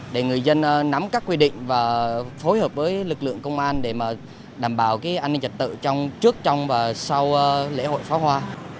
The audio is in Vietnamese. để người dân nắm các quy định và phối hợp với lực lượng công an để đảm bảo an ninh trật tự trong trước trong và sau lễ hội pháo hoa